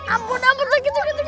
ampun ampun segitu gitu